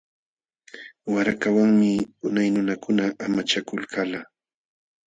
Warakawanmi unay nunakuna amachakulkalqa.